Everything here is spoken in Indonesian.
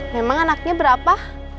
memang anaknya berapa